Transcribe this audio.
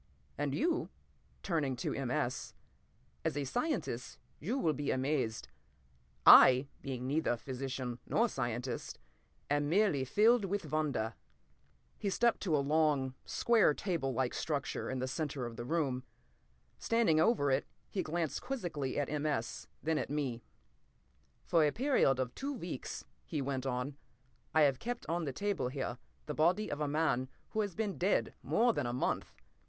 And you"—turning to M. S.—"as a scientist you will be amazed. I, being neither physician nor scientist, am merely filled with wonder!" He stepped to a long, square table like structure in the center of the room. Standing over it, he glanced quizzically at M. S., then at me. "For a period of two weeks," he went on, "I have kept, on the table here, the body of a man who has been dead more than a month.